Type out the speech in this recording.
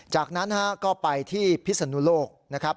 จากนั้นก็ไปที่พิศนุโลกนะครับ